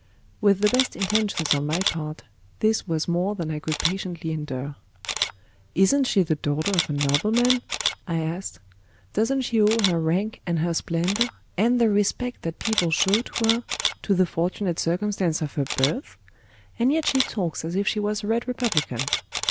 With the best intentions on my part, this was more than I could patiently endure. "Isn't she the daughter of a nobleman?" I asked. "Doesn't she owe her rank and her splendor, and the respect that people show to her, to the fortunate circumstance of her birth? And yet she talks as if she was a red republican.